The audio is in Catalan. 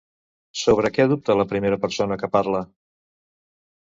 Sobre què dubta la primera persona que parla?